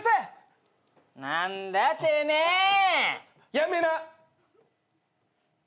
やめな！